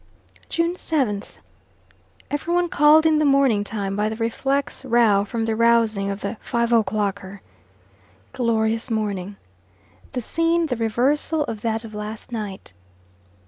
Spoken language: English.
June 7th. Every one called in the morning time by the reflex row from the rousing of the five o'clocker. Glorious morning. The scene the reversal of that of last night.